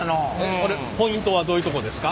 ポイントはどういうとこですか？